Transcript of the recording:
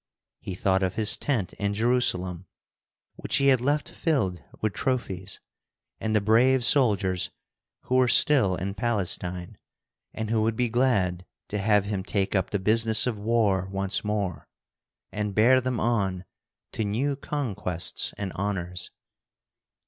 He thought of his tent in Jerusalem, which he had left filled with trophies, and the brave soldiers who were still in Palestine, and who would be glad to have him take up the business of war once more, and bear them on to new conquests and honors.